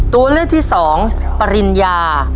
ตัวเลือกที่๒ปริญญา